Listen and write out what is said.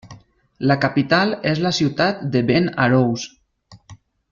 La capital és la ciutat de Ben Arous.